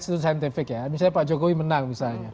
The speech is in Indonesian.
secara saintifik ya misalnya pak jokowi menang